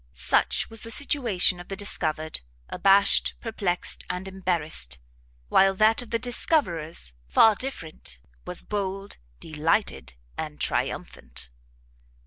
Such was the situation of the discovered, abashed, perplexed, and embarrassed! while that of the discoverers, far different, was bold, delighted, and triumphant!